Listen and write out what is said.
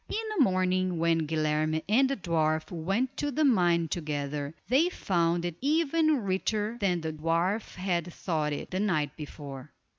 In the morning, when Guilerme and the dwarf went to the mine together, they found it even richer than the dwarf had thought it, the night before.